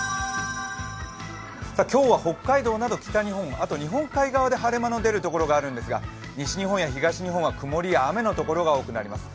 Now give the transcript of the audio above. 今日は北海道など北日本、晴れ間の出るところがあるんですが、西日本や東日本は曇りや雨のところが多くなります。